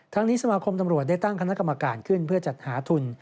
นี้สมาคมตำรวจได้ตั้งคณะกรรมการขึ้นเพื่อจัดหาทุน